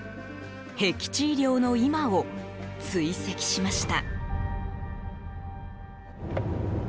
へき地医療の今を追跡しました。